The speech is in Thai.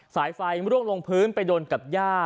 สายไฟร่วงลงพื้นไปโดนกับย่า